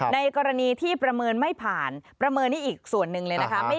ในกรณีที่ประเมินไม่ผ่านประเมินนี่อีกส่วนหนึ่งเลยนะคะ